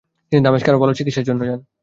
তিনি দামেস্কে আরো ভালো চিকিৎসার জন্য যান।